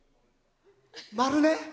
丸ね。